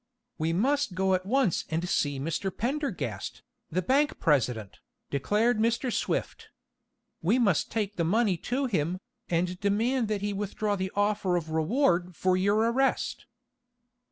"We must go at once and see Mr. Pendergast, the bank president," declared Mr. Swift. "We must take the money to him, and demand that he withdraw the offer of reward for your arrest."